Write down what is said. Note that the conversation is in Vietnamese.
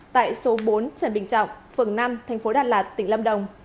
tại số bốn trần bình trọng phường năm tp đà lạt tỉnh lâm đồng